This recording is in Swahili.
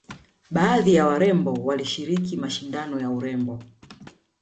baadhi ya warembo walishiriki mashindano ya urembo